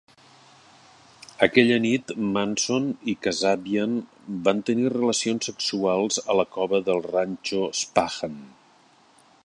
Aquella nit, Manson i Kasabian van tenir relacions sexuals a la cova del ranxo Spahn.